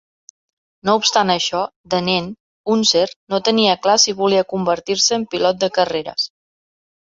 No obstant això, de nen, Unser no tenia clar si volia convertir-se en pilot de carreres.